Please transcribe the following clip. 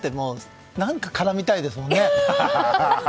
何か絡みたいですもんね。